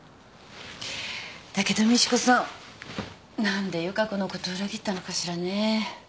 だけど美知子さん何で由加子のこと裏切ったのかしらね。